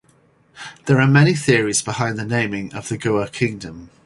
There are many theories behind the naming of the Gour kingdom.